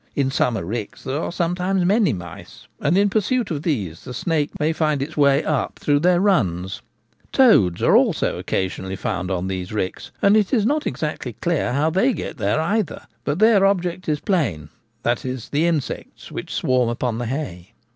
In summer ricks there are some times many mice, and in pursuit of these the snake 78 The Gamekeeper at Home. may find its way up through their ' runs/ Toads are also occasionally found on these ricks, and it is not exactly clear how they get there either ; but their object is plain— i.e. the insects which swarm on the hay.